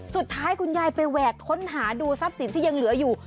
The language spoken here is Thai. สุดท้ายคุณยายไปแหวกค้นหาดูทรัพย์สินที่ยังเหลืออยู่